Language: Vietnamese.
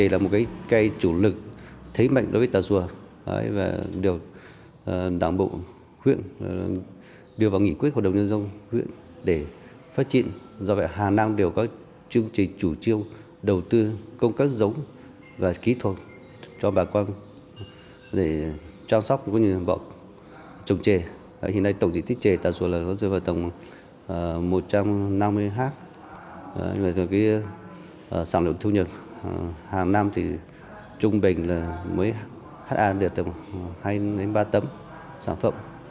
nhưng mà cái sản lượng thu nhập hàng năm thì trung bình là mới hát an được tầm hai ba tấm sản phẩm